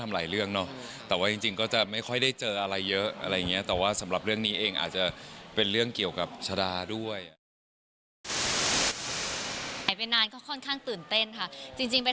หรือมาแทนพิ้งกี้อะไรอย่างงี้